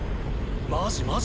マジマジ。